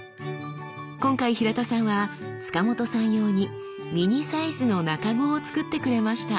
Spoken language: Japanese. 今回平田さんは塚本さん用にミニサイズの茎をつくってくれました。